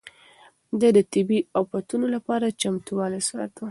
ده د طبيعي افتونو لپاره چمتووالی ساته.